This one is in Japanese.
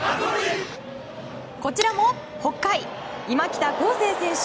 こちらも北海、今北孝晟選手。